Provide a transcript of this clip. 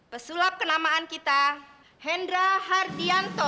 pesulap kenamaan kita hendra hardianto